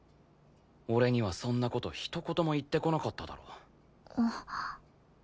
俺にはそんな事ひと言も言ってこなかっただろ。